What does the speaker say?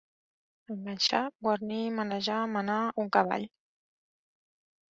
Enganxar, guarnir, manejar, menar, un cavall.